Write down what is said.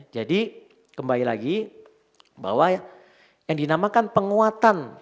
jadi kembali lagi bahwa yang dinamakan penguatan